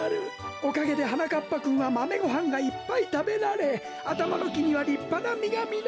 おかげではなかっぱくんはマメごはんがいっぱいたべられあたまのきにはりっぱなみがみのる。